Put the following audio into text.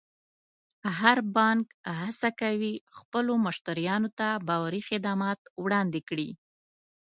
هر بانک هڅه کوي خپلو مشتریانو ته باوري خدمات وړاندې کړي.